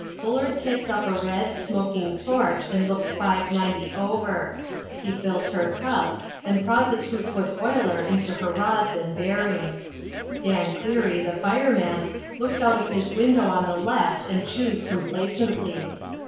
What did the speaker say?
Bullard takes up a red, smoking torch and looks 590 over. He fills her cups, and prods a two foot oiler into her rods and bearings. Dan Cleary, the fireman, looks out of his window on the left and chews complacently.